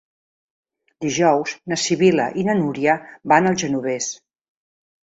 Dijous na Sibil·la i na Núria van al Genovés.